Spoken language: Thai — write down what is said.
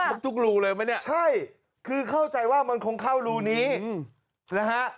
ทุกรูเลยไหมเนี่ยใช่คือเข้าใจว่ามันคงเข้ารูนี้นะฮะ